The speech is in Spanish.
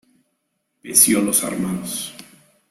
Peciolos armados.